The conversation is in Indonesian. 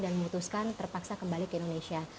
dan memutuskan terpaksa kembali ke indonesia